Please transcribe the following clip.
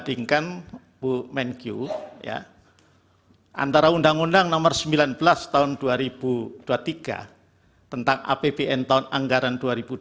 bandingkan bu menkyu antara undang undang nomor sembilan belas tahun dua ribu dua puluh tiga tentang apbn tahun anggaran dua ribu dua puluh